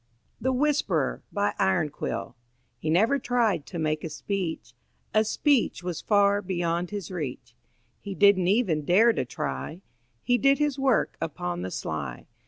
THE WHISPERER BY IRONQUILL He never tried to make a speech; A speech was far beyond his reach. He didn't even dare to try; He did his work upon the sly.